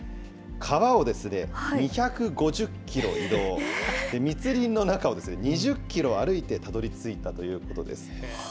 川を２５０キロ移動、密林の中を２０キロ歩いてたどりついたということです。